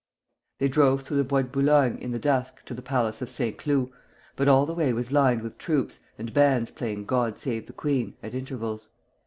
They drove through the Bois de Boulogne in the dusk to the palace of Saint Cloud; but all the way was lined with troops, and bands playing "God Save the Queen," at intervals.